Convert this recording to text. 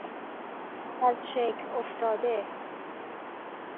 ازشکل افتاده